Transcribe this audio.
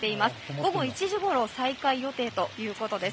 午後１時ごろ再開予定ということです。